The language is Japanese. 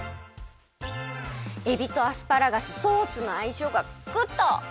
えびとアスパラガスソースのあいしょうがグッド！